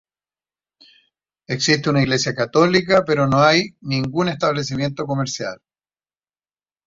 Existe una iglesia católica pero no hay ningún establecimiento comercial.